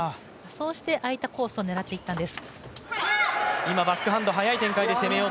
そうして、空いたコースを狙っていったんです。